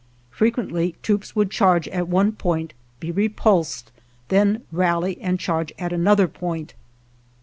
Frequently troops would charge at one point, be repulsed, then rally and charge at another point.